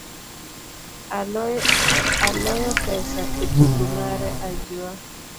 Aloyo pesa etugo mare ajua.